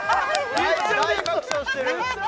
大爆笑してる！